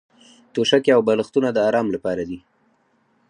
توشکې او بالښتونه د ارام لپاره دي.